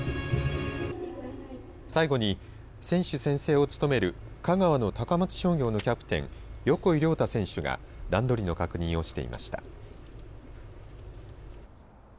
最後に選手宣誓を務める香川の高松商業のキャプテン横井亮太選手が段取りの確認をしていました。